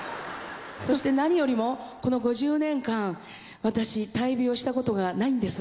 そして何よりもこの５０年間私大病したことがないんです。